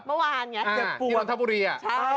เมื่อวานไงที่รอนทะบุรีอะ